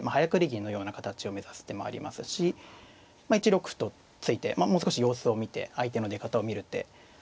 銀のような形を目指す手もありますし１六歩と突いてもう少し様子を見て相手の出方を見る手